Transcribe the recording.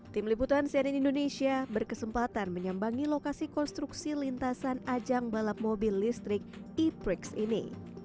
tim liputan cnn indonesia berkesempatan menyambangi lokasi konstruksi lintasan ajang balap mobil listrik e prix ini